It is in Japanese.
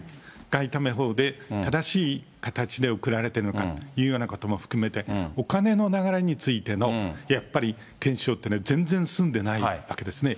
外為法で正しい形で送られてるのかというようなことも含めて、お金の流れについてのやっぱり検証っていうのは、全然進んでないわけですね。